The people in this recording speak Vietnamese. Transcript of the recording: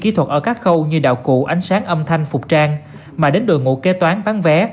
kỹ thuật ở các khâu như đạo cụ ánh sáng âm thanh phục trang mà đến đội ngũ kế toán bán vé